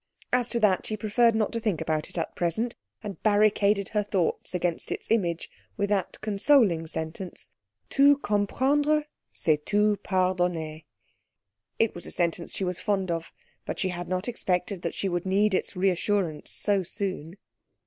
As to that, she preferred not to think about it at present, and barricaded her thoughts against its image with that consoling sentence, Tout comprendre c'est tout pardonner. It was a sentence she was fond of; but she had not expected that she would need its reassurance so soon.